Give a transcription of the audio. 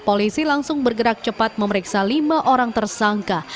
polisi langsung bergerak cepat memeriksa lima orang tersangka